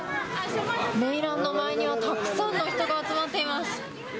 メイランの前にはたくさんの人が集まっています。